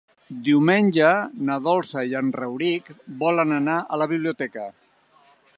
Diumenge na Dolça i en Rauric volen anar a la biblioteca.